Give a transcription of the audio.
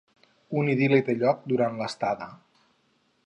Un idil·li té lloc durant l'estada.